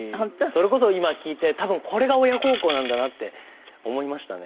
それこそ今聞いて多分これが親孝行なんだなって思いましたね。